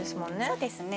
そうですね